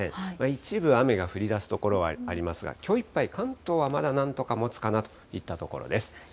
一部雨が降りだす所はありますが、きょういっぱい、関東はまだなんとかもつかなといったところです。